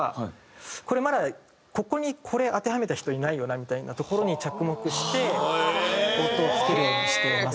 これまだここにこれ当てはめた人いないよなみたいなところに着目して音を作るようにしています。